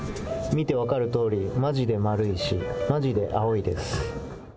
見てわかる通り、マジ丸いし、マジで青いです。